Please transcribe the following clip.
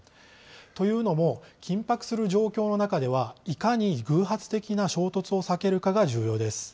というのも、緊迫する状況の中ではいかに偶発的な衝突を避けるかが重要です。